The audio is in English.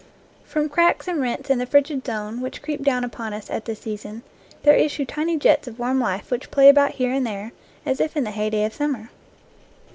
From cracks and rents in the frigid zone which creep down upon us at this season there issue tiny jets of warm life which play about here and there as if in the heyday of summer.